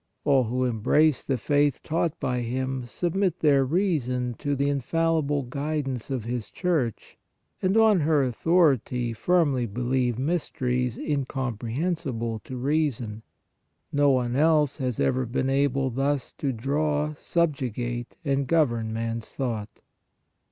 All who embrace the faith taught by Him, submit their reason to the infallible guidance of His Church and, on her au thority, firmly believe mysteries incomprehensible to reason. No one else has ever been able thus to draw, subjugate and govern man s thought.